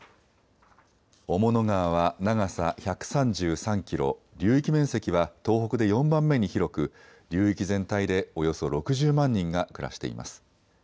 雄物川は長さ１３３キロ、流域面積は東北で４番目に広く流域全体でおよそ６０万人が暮らしています。